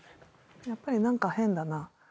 やっぱり何か変だな。